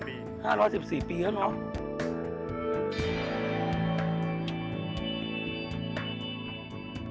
๕๑๔ปีแล้วเนาะ